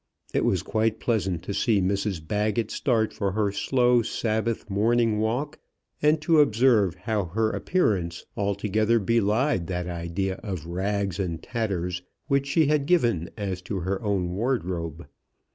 It was quite pleasant to see Mrs Baggett start for her slow Sabbath morning walk, and to observe how her appearance altogether belied that idea of rags and tatters which she had given as to her own wardrobe.